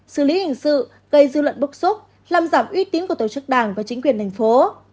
xử lý hình sự gây dư luận bức xúc làm giảm uy tín của tổ chức đảng và chính quyền thành phố